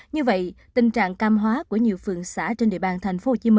như vậy tình trạng cam hóa của nhiều phường xã trên địa bàn tp hcm